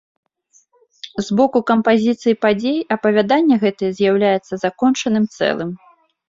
З боку кампазіцыі падзей апавяданне гэтае з'яўляецца закончаным цэлым.